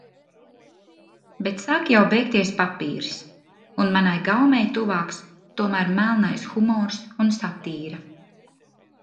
Bet sāk jau beigties papīrs, un manai gaumei tuvāks tomēr melnais humors un satīra.